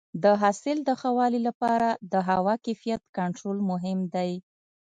د حاصل د ښه والي لپاره د هوا کیفیت کنټرول مهم دی.